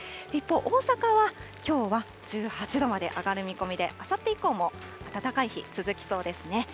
一方、大阪はきょうは１８度まで上がる見込みで、あさって以降も暖かい日、続きそうですね。